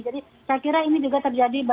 saya kira ini juga terjadi